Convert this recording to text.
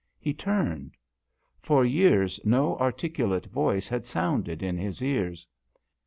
He turned. For years no articu late voice had sounded in his ears.